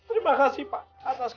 terima kasih pak